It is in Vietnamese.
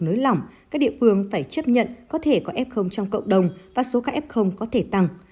nới lỏng các địa phương phải chấp nhận có thể có f trong cộng đồng và số các f có thể tăng